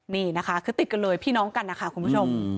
นี่นะคะคือติดกันเลยพี่น้องกันนะคะคุณผู้ชม